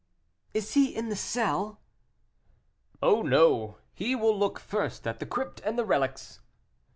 "Is he in the cell?" "Oh no! he will look first at the crypt and the relics."